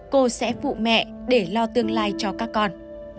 cô sẽ phụ mẹ để lo tương lai cho các con